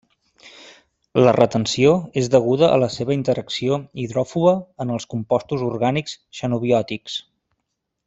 La retenció és deguda a la seva interacció hidròfoba en els compostos orgànics xenobiòtics.